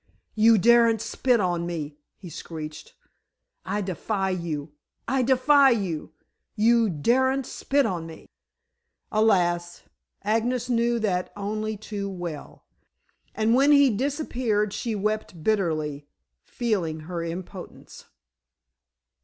"You daren't split on me," he screeched. "I defy you! I defy you! You daren't split on me." Alas! Agnes knew that only too well, and when he disappeared she wept bitterly, feeling her impotence.